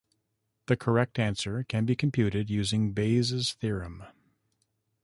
The correct answer can be computed using Bayes' theorem.